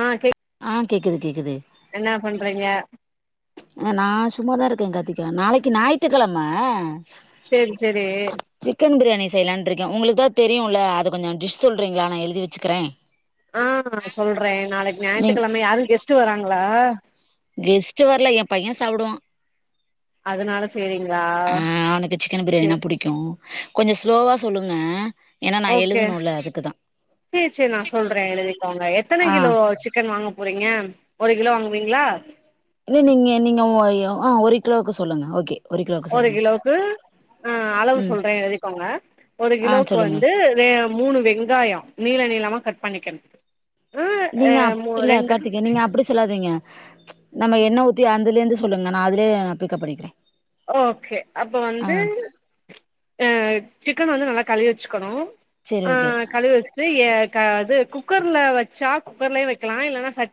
ஆஹ் கே ஆ கேக்குது கேக்குது [inaudible] என்ன பண்றீங்க ஆஹ் நா சும்மாதா இருக்கே கார்த்திக்கா நாளைக்கு நாயித்து கெழம சரி சரி பிரியாணி செய்யலான்ட்டு இருக்கே உங்களுக்குதா தெரியுல்ல அது கொஞ்சம் டிஷ் சொல்றீங்களா நா எழுதி வச்சுக்குறே ஆஹ் சொல்றே நாளைக்கு நீங் ஞாயித்துக்கிழமை யாரும் கெஸ்ட் வராங்க ங்களா கெஸ்ட் வரல எ பையன் சாப்புடுவா அதனால சேரிங்களா ஆஹ் அவனுக்கு சிக்கன் சேர் பிரியாணினா புடிக்கு கொஞ்சோ ஸ்லோவா சொல்லுங்க ஏன்னா நா ஓகே எழுதணுல்ல அதுக்குதா செரி செரி நான் சொல்றேன் எழுதிக்கோங்க எத்தன ஆ கிலோ சிக்கன் வாங்க பேரிங்க ஒரு கிலோ வாங்குவீங்களா இல்ல நீங்க நீங்க ஆ ஒ ஒரு கிலோவுக்கு சொல்லுங்க ஓகே கிலோவுக்கு ஒரு சொல்லுங்க கிலோக்கு ஆஹ் அளவு ம் சொல்றேன் எழுதிக்கோங்க ஒரு ஆ கிலோவுக்கு சொல்லுங்க வந்து மூணு வெங்காயம் நீள நீளமா கட் பண்ணிக்கணும் நீங்க அ இல்ல ரெண்டு கார்த்திகே நீங்க அப்படி சொல்லாதீங்க நம்ம என்ன ஊத்தி அதுல இருந்து சொல்லுங்க நான் அதலே பிக்கப் பண்ணிக்குறேன் ஓகே அப்ப வந்து ஆ சிக் சிக்கன் வந்து நல்லா கழுவி வச்சுக்கணும் செரி ஓகே ஆஹ் கழுவிவச்சுட்டு எ கா இது குக்கர்ல வச்சா குக்கர்லயே வைக்கலா இல்லன்னா சட்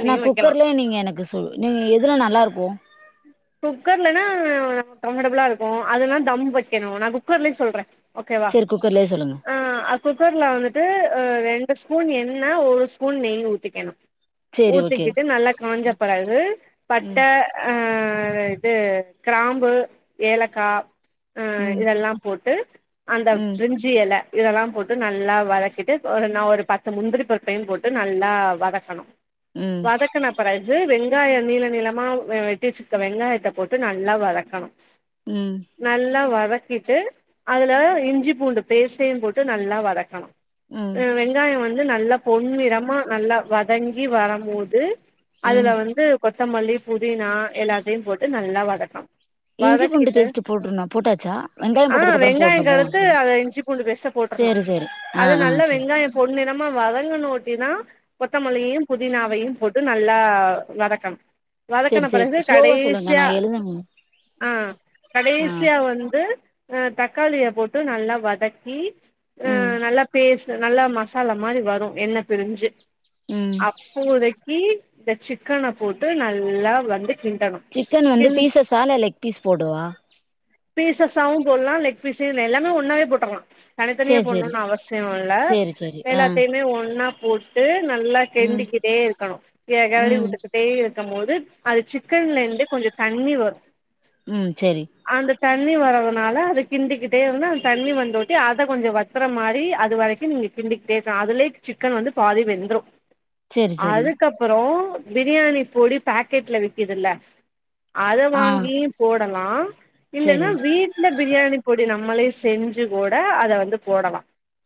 ஆனா குக்கர்லயே நீங்க எனக்கு சொ நீங்க எதுல நல்லா இருக்கும் போ குக்கர்லனா கம்ஃபர்டபுளா இருக்கும் அதல்லா தம் வைக்கணும் நான் குக்கர்லயும் சொல்றேன் ஓகேவா செரி குக்கர்லயே சொல்லுங்க அ குக்கர்ல வந்துட்டு ரெண்டு ஸ்பூன் என்னா ஒரு ஸ்பூன் நெய் ஊத்திக்கணும் செரி ஓகே ஊத்திக்கிட்டு நல்லா காஞ்ச பறகு பட்ட ம் ஆஹ் இது கிராம்பு ஏலக்கா அ ம் இதெல்லா போட்டு அந்த ம் பிரரிஞ்சு இல இதெல்லா போட்டு நல்லா வதக்கிட்டு ஒரு நான் ஒரு பத்து முந்திரி பருபையும் போட்டு நல்லா வதக்கணும் ம் வதக்கண பிறகு கு வெங்காயோ நீள நீளமா வெ வெட்டி வெச்சுக்க வெங்காயத்த போட்டு நல்லா வதக்கணு ம் நல்லா வ வதக்கிட்டு அதுல இஞ்சி பூண்டு பேஸ்ட்டையு போட்டு நல்லா வதக்கணு ம் அ வெங்காயோ வந்து நல்லா பொண்நிறமா நல்லா வதங்கி வரமோது அதுல ம் வந்து கொ த்தமல்லி புதினா எல்லாத்தையு போட்டு நல்லா வதக்கணு இஞ்சி பூண்டு வதக்கிட்டு பேஸ்ட் போட்ருனு போட்டாச்சா வெங்காயம் ஆ போட்டதுக்கு அப்புறம் வெங்காயங் போடணுமோ கடத்து அத இஞ்சி பூண்டு பேஸ்ட்ட போட்டர்ணு சேரி சேரி ஆ அது ஆ நல்லா சேரி வெங்காயோ பொன் நிறமா வதங்கண ஒட்டிதா கொத்தமல்லியையு புதினாவையு போட்டு நல்லா வதக்கனு சேரி வதக்கன சேரி பிறகு ஸ்லோவா சொல்லுங்க நா கடேசியா எழுதணு ஆ ஆ கடேசியா வந்து அ தக்காளிய போட்டு நல்லா வதக்கி அ ம் நல்லா பேஸ் நல்லா மசாலா மாரி வரோ எண்ண பிரிஞ்சு ம் அப்போதக்கி இந்த சிக்கன போட்டு நல் ல்லா வந்து சிக்கன் வந்து பீஸஸா இல்ல லெக் பீஸ் போடவா பீஸஸாவோ போடலா லெக் பீஸு எல்லாமே ஒன்னாவே போட்டர்லா தனிதனியா சேரி சேரி போடனோன்னு அவசியோல்ல சேரி சேரி ஆ எல்லாத்தையுமே ஒன்னாப் போட்டு நல்லா ம் கெண்டிக்கிட்டே இருக்கணோ கி கெளரி ம் வுட்டுக்கிட்டே இர் க மோது அது சிக்கன்லேந்து கொஞ்சோ தண்ணி வரோ ம் சேரி தண்ணி வறதுனால அத கிண்டிகிட்டே இருந்தா அந்த தண்ணி வந்தோட்டி அத கொஞ்சோ வத்தற மாரி அது வரைக்கோ நீங்க கிண்டிகிட்டேதா அதுலே சிக்கன் வந்து பாதி வெந்த்ரோ சேரி சேரி அதுக்கப்பறோ பிரியாணி பொடி பேக்கேட்ல விக்குதுல அத ஆ வாங்கி போட் ட்டல்லா இல்லன்னா சேரி வீட்ல பிரியாணி பொடி நம்மளே செஞ்சு கூட அத வந்து போடலா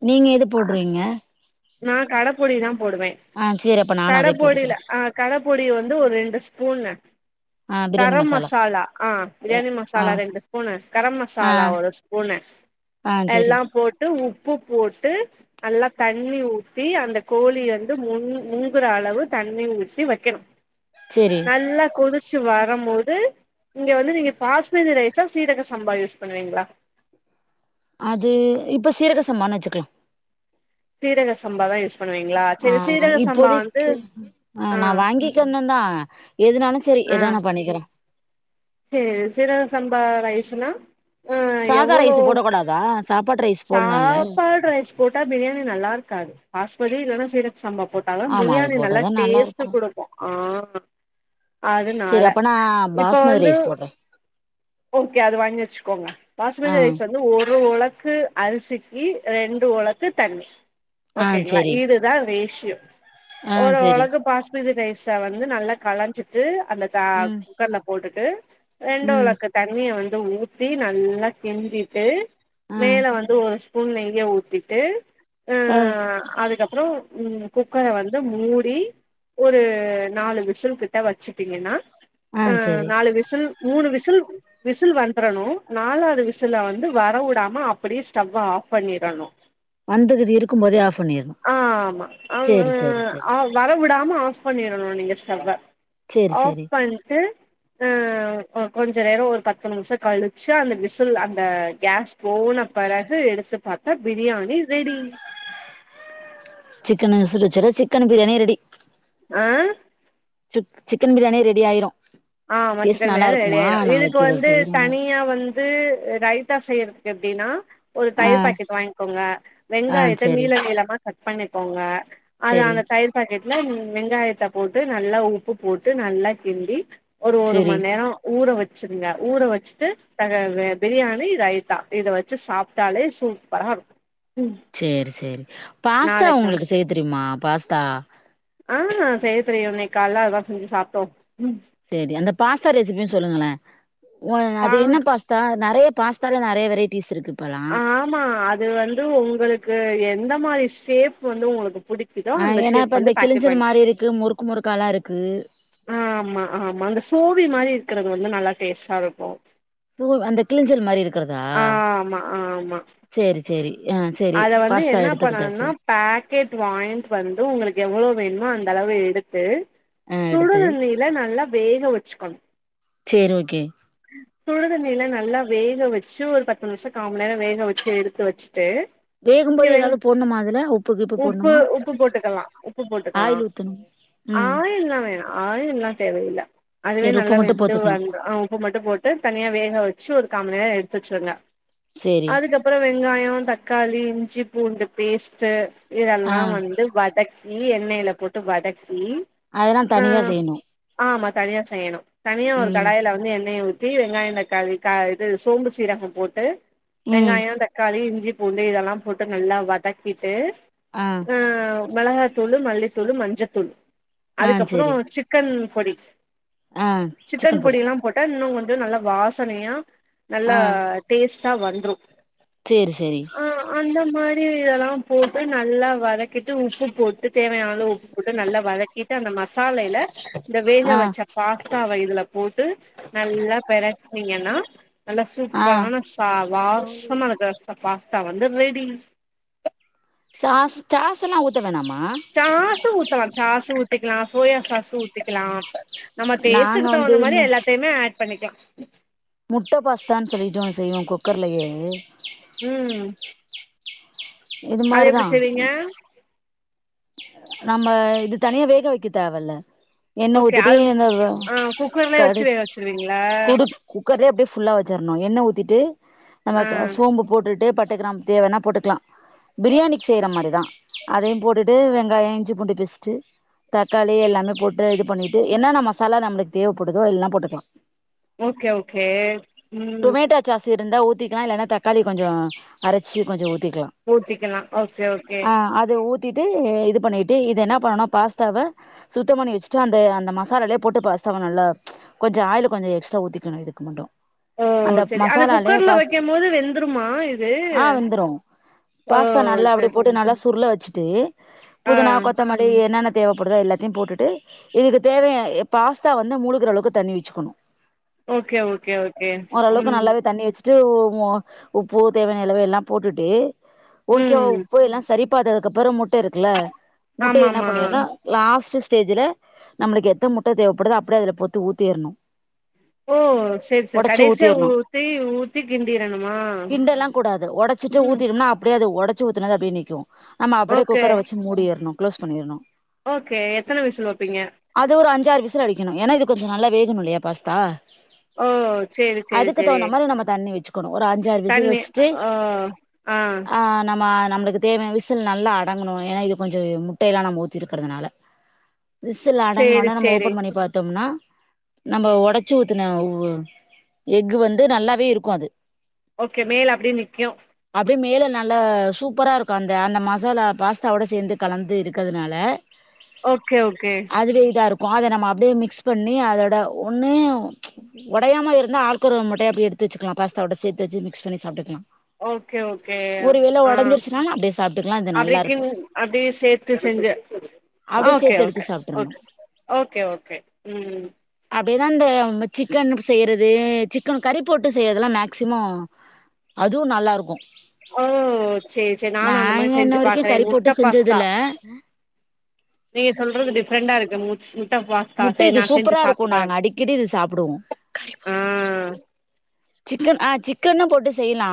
நீங்க எது போடுறீங்க நா கடப்பொடிதா போடுவே ஆ சேரி அப்ப நானு கட அதே போட்டுக்கிறே பொடில அ கடப் கூடய வந்து வந்து ஒரு ரெண்டு ஸ்பூனு ஆ பிரியாணி கரம் மசாலா ஆ பிரியாணி ஆ மசாலா ரெண்டு ஸ்பூனு கரம் ஆ மசாலா ஒரு ஸ்பூனு ஆ சேரி எல்லாம் போட்டு உப் உப்பு போட்டு நல்லா தண்ணி ஊத்தி அந்த கோழி வந்து மூ முங்குற அளவு தண்ணி ஊத்தி வெக்கணோ சேரி நல்லா கொதிச்சுவ வர போது இங்க வந்து நீங்க பாஸ்மதி ரைஸா சீரக சம்பா யூஸ் பண்ணுவீங்களா அது இப்ப சீரக சம்பானு வெச்சுக்கலா சீரக சம்பா தா யூஸ் பண்ணுவீங்களா ஆ செரி சீரக சம்பா வந்து இப்போதைக்கு ஆ நா வாங்கிக்கந்ததா எதுனாலோ சேரி ஆ ஏதோ நா பண்ணிக்குற செரி சீரக சம்பா ரைஸ்னா ஆஹ் சாதா எவ்வளோ ரைஸ் போடக் கூடாதா சாப்பாட்டு ரைஸ் போடலால்ல சாப்பாடு ரைஸ் போட்டா பிரியாணி நல்லா இருக்காது பாஸ்மதி இல்ன்னா சம்ப போட்டாலும் ஆமா அது பிரியாணி நல்லா போட்டாதா டேஸ்ட்ட் இருக்கு கொடுக்கு ஆஹ் சேரி அதனால அப்ப நா இப்ப வந்து [unintelligible] ஓகே அது வாங்கி வச்சுக்கோங்க ஆ பாஸ்மதி ரைஸ் வந்து ஒரு ஒள அரிசிக்கு ரெண்டு ஒளக்கு தண்ணி ஆ ஓகேங்களா சேரி இதுதான் ரேஷ் ஆ [unintelligible] ஒரு சேரி உலகு பா து ரைசா வந்து நல்லா கலஞ்சிட்டு அல்ல தா ம் குக்கர்ல போட்டு அ இரண்டு ம் ஒளக்கத் தண்ணிய வந்து ஊத்தி நல்லா கிண்டிட்டு ஆ மேல வந்து ஓ ப நெய்ய ஊத்திட்டு ஆ அதுக்கப் அப்பறோ குக்கர வந்து மூடி ஒரு நாலு விசில் கிட்ட வச்சுட்டீங்கன்னா ஆ நாலு விசல் மூணு விச [unintelligible] விசில் வந்துரணு நாலாவது விசில வந்து வர விடாம அப்படியே ஸ்டவ் ஆஃப் பண்ணிறணு வந்துகிட்டு இருக்கும் போதே ஆ ஆ ஆமா சேரி அவ வர விடாம ஆஃப் பண்ணிடணு நீங்க ஸ்டவ்வ சேரி ஆஃப் சேரி பண்ட்டு ஆ கொஞ்சோ நேரம் ஒரு பத்து நிமிஷம் கழிச்சு அந்த விசில் அந்த கேஸ் போன பிறகு எடுத்து பார்த்தா பிரியாணி ரெடி சிக்கன் சுட்டு வச்சட சிக்கன் பிரியாணி ரெடி ஆ சிக்கன் பிரியாணி ரெடி ஆயிரு ஆஹமா சசிக்கன் பிரியாணி ரெடியிரு இதுக்கு நாளைக்கு இத வந்து செய்றோன்டா தனியா வந்து ரைத்தா செய்யறக்கு அப்டினா ஒரு ஆ தயிர் பாக்கெட்டு வாங்கிக்கோங்க ஆ வெங்காயத்த சரி நீள நீளமா கட் பண்ணிக்கோங்க அது சரி அந்த தயிர் பாக்கெட் [unintelligible] வெங்காயத்த போட்டு நல்லா உப்பு போட்டு நல்லா கிண்டி ஒரு ஒரு சரி மண் நேரோ ஊற வச் சிருங்க ஊற வச்சுட்டு இப்ப அந்த பிரியாணி ரைத்தா இத வச்சு சாப்பிட்டாலே சூப்பரா இருக்கு ம் சேரி சேரி பாஸ்தா நாளைக்கு உங்களுக்கு செய் தெரியுமா ஆ பாஸ்தா ஆ செய்ய தெரியு இன்னைக் காலைல அதா செஞ்சு சாப்ட்டோ ம் செரி அந்த பாஸ்தா ரெசிபியு சொல்லுங்களே உ பா அது என்ன பாஸ்தா அது நெறைய பாஸ்தால நெறைய வெரைட்டிஸ் இருக்கு இப்பல்லாம் ஆமா அது வந்து உங்களுக்கு எந்த மாரி ஷேஃப் வந்து உங்களுக் ஆஹ் ஏனா இப்ப அந்த கிளிஞ்சல் மாரி இருக்கு முறுக்கு முறுக்கால்லா இருக் ஆஹ் ஆமா ஆமா அந்த சோவி மாரி இருக்கறது வந்து நல்லா டேஸ்சா இருக்கு ஓ அந்த கிளிஞல் மாரி இருக் ஆ ஆமா ஆ ஆமா சரி சரி ஆ சரி அத வந்து பாஸ்தா என்ன பண்ணணுனா எடுத்துக்கிட்டாச்சு பாக்கெட் வாய்ண்ட் வந்து உங்களுக்கு எவ்வளோ வேணு மோ அந்த அளவு எடுத்து ஆ எடுத்து சுடுதண்ணியில நல்லா வேக வச்சுக்கணு சரி ஓகே சுடுதண்ணில நல்லா வேக வச்சு ஒரு பத்து நிமிசோ காமண் நேரோ வேக வச்சு எடுத்து வச்சுட்டு வேகும்போது இல்லையே ஏதாவது போடணுமா அதுல உப்பு கிப்பு உப்பு போடணுமா உப்பு போட்டுக்கலா உப்பு போட்டுக்கலா ஆயில் ஊத்தணும் ம் ஆயில்ல்லா வேணா ஆயில்ல்லா தேவயில்ல அதுவே சரி உப்பு நல்லா மட்டும் வெந்து போத்துக்கலாம் வந்து அ உப்பு மட்டு போட்டு தனியா வேக வச்சு ஒரு காமண் நே எடுத் வச்சுருங்க சரி அதுக்கப்புற வெங்காயோ, தக்கா ளி இஞ்சி பூண்டு பேஸ்ட்டு ஆ இதெல்லா வந்து வதக் நீ எண்ணெயில போட்டு வதக் ம் அதெல்லாம் ஆ தனியா செய்யணும் ஆ மத் தனியா செய்ணு தனியா ஒரு ம் கடாயில வந்து எண்ணெய ஊத் தி வெங்காயோ தக்காளி க இது சோம்பு சீரகம் போட்டு ம் வெங்காயோ, தக்காளி, இ்ஞ்சி பூண்டு இதெல்லா போட்டு நல்லா வதக்கிட்டு ஆ ஆஹ் மெளகாய் துழு மல்லித்தூளு, மஞ்ச தூள் ஆ அதுக்கப்புறம் சரி சிக்கன் பொடி. ஆ சிக்கன் பொடியெல்லா போட்டா இன்னும்ங் கொஞ் இன்னு நல்லா வாசனையா. நல்லா டேஸ்ட். தா வந்தரும் சேரி ச ஆஹ் அந்த மாரி இதெல்லாம் போட்டு நல்லா வதக்கிட்டு உப்பு போட்டு தேவையான அளவு உப்பு போட்டு நல்லா வதக்கிட்டு அந்த மசாலையில இந்த வேக ஆ வெச்ச பாஸ்தாவ இதுல போட்டு நல்லா பிரட் நீங்க எல்லா நல்லா ஆ சூப்பரான சா வாசம்மா இருக்கு சா பாஸ்தா வந்து ரெடி. ச்சாஸ் சாஸ் எல்லாம் ஊத்த வேணாம்மா ச்சாஸ் ஊத்தலாம் ச்சாஸ் உத் ஊத்திக்கலாம், சோயா சாசு ஊத்திக்கலாம் நம்ம நாங்க டேஸ்டுக்கு வந்து தகுந்த மாதிரி எல்லாத்தையுமே அட் பண்ணிக்கலா முட்ட பாஸ்தான்னு சொல்லிட்டு ஒன்னு செய்வோன் குக்கர்லயே உம் இது அது எப்படி மாதிரிதான் செய்வீங்க? நம்ம இது தனியா வேக வைக்க தேவயில்ல என்ன ஓகே உத்திட்டு அது இந்த ஆ குக்கர்லயே வச்சு கரிக் வேக வச்சிருவீங்களா குடு குக்கர்ல அப்படியே ஃபுல்லாஹ் வெச்சறணும் எண்ண ஊத்திட்டு நமக்கு ஆ சோம்பு போட்டுட்டே ப பட்ட கிராம் தேவன்னா போட்டுக்கலாம் பிரியாணிக்கு செய்ற மாதிரி தான் அதையும் போட்டுட்டு வெங் காயம் இஞ்சி பூண்டு பேஸ்ட்டு தக்காளி எல்லாமே போட்டு இது பண்ணிட்டு என்னன்ன மசாலா நம்மளுக்கு தேவப்படுதோ எல்லாம் போட்டுக்கலாம் ஓகே ஓகே உம் டொமேட்டோ சாஸ் இருந்தா ஊத்திக்கலாம் இல்லன்னா தக்காளி கொஞ்சம் அரைச்சு கொஞ்சம் ஊத் ஊத்திக்கலாம் ஓகே ஓகே அது ஊத்திட்டு இது பண்ணிட்டு இது என்ன பண்ணனும் பாஸ்தாவ சுத்தம் பண்ணி வச்சுட்டு அந்த அந்த மசாலாலயே போட்டு பாஸ்தாவை நல்லா கொஞ்சம் ஆயில் கொஞ்சம் எக்ஸ்ட்ரா ஊத்திக்கணும் இதுக்கு மட்டும் ஓ அந்த செரி மசாலாலயே குக்கர்ல பாஸ் வைக்கும் போது வெந்துருமா இது ஆ வெந்துடும் ஓ பாஸ்தா நல்லா அப்படி செரி போட்டு நல்லா சுருள வச் சிட்டு ஆ புதுனா கொத்தமல்லி என்னென் தேவைப்படுதா எல்லாத்தையும் போட்டுட்டு இதுக்கு தேவை பாஸ்தா வந்து மூழ்கிற அளவுக்கு தண்ணி வச்சுக்கணும் ஓகே ஓகே ஓகே ம் நல்லாவே [unintelligible] உப்பு தேவயான அளவு எல்லாம் போட்டுட்டு ஓகேவா ம் உப்பு எல்லாம் சரி இப்ப அதுக்கு அப்பறம் முட்டை இருக்குல ஆமா முட்டைய என்ன ஆமா பண்ணிரும்னா லாஸ்ட் ஸ்டேஜ்ல நம்மளுக்கு எத்த முட்டை தேவைப்படுதுோ அப்படியே அதுல போத்து ஊத்திறணும் ஓ சரி சரி கடைசியா ஊத்தி ஊத்தி கிண்டிரணுமா கிண்டலா ம் உடைச்சி ஊத்துன தான் அப்படியே நிக்கும் ஆமா அப்பேடி ஓகே குக்கர வச்சு முடியிரணும் க்ளோஸ் பண்ணிரணும் ஓகே எத்தன விசில் வப்பீங்க அது ஒரு அஞ்சாறு விசில் அடிக்கணும் ஏன்னா இது கொஞ்சம் நல்லா வேகணும்ல்லயா பாஸ்தா ஓ சேரி சேரி சேரி கணும் ஒரு அஞ்சாறு விசில் தண்ணி வச்சுட்டு ஓ ஆ நம்ம நம்மளுக்கு தேவயான விசில் நல்ல அடங்கண வா ஏன்னா இது கொஞ்சம் முட்டையெல்லாம் நம்ம ஊத்தி இருக்கறதுனால விசில் அடங்கன சேரி உடனே நாம சேரி ஓப்பன் பண்ணி பாத்தோம்னா நாம உடைச்சு ஊத்தின எஃகு வந்து நல்லாவே இருக்கும் அது ஓகே மேல அப்டியே நிக்கும் நல்ல சூப்பரா இருக்கும் அந்த அந்த மசாலா பாச தவோடை சேர்ந்து கலந்து இருக்கிறதுனால ஓகே ஓகே அதை நம்ம அப்படியே மிக்ஸ் பண்ணி அதோடய ஒன்னு உடையாமல் இருந்தால் ஆட்குரு மட்டை அப்படி எடுத்து வச்சுக்கலாம் பாஸ்தாவோட சேர்த்து வச்சு மிக்ஸ் பண்ணி சாப்பிட்டுக்கலாம் ஓகே ஓகே ஆ ஒடஞ்சிருச்சுனாலு அப்டியே சாப்ட்டுக்கலா இது அப்படி நல்லாருக்கு [unintelligible] அப்டியே சேர்த்து செஞ்ச அப்டியே ஓகே சேத்து எடுத்து ஓகே சாப்ட்றணு ஓகே ஓகே ம் அப்டியேதா இந்த சிக்கன் செய்கிறது சிக்கன் கறி போட்டு செய்கிறதுலாம் மேக்சிமம் அதுவும் நல்லாயிருக்கும் ஓ சேரி சேரி நானும் அந்த நாங்க மாதிரி இன்ன செஞ்சு வரைக்கு கறி பாக்குறேன் போட்டு பாஸ்தா செஞ்சதுல நீங்க சொல்றது டிஃப்ரெண்டா இருக்கு [inaudible] முட்டை சேரி இது நா சூப்பரா செஞ்சு இருக்கூ சாப்ட்டு நாங்க பாக்குறே அடிக்கடி இது சாப்பிடுவோ கறி [unintelligible] ஆ சிக்கன் ஆ சிக்கன்னும் போட்டு செய்யலா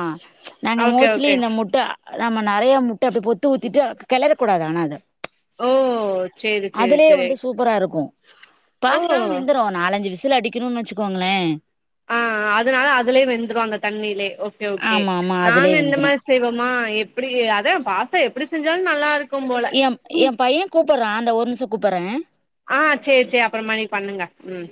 நாங்க ஓகே மோஸ்ட்லி ஓகே இந்த முட்ட நம்ம நெறைய மு ப்ப பொத்து ஊத்திட்டு கல கூடாது ஆனா அத ஓ சேரி சேரி அதுலயே சேரி வந்து சூப்பரா இருக்கு ஓ பாஸ்தாவும் வேந்திரோ நாலஞ்சு விசல் அடிக்கணும்னு வச்சுக்கோங்களே ஆஹ் அதனால அதுலயே வெந்துரு அந்த தண்ணிலேயே ஓகே ஓகே ஆமா ஆமா நாங்க அதுலயே இந்த வெந்துரு மாரி செய்வோம்மா எப்படி அதான் பாஸ்த்த எப்டி செஞ்சாலு நல்லா இருக் க்கும் போல எ எ பைய கூப்பட்றா அந்த ஒரு நிமிஷ கூப்பட்றே ஆ சேரி சேரி அப்புறமா நீங்க பண்ணுங்க உம்